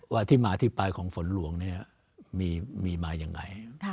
ว่าที่มาที่ปลายของฝนหลวงเนี่ยมีมาอย่างไร